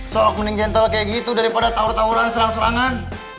sok mending gentle kayak gitu daripada tawuran tawaran serangan serangan